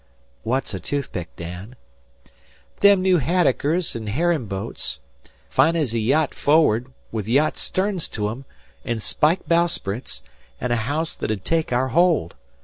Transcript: "What's a toothpick, Dan?" "Them new haddockers an' herrin' boats. Fine's a yacht forward, with yacht sterns to 'em, an' spike bowsprits, an' a haouse that 'u'd take our hold.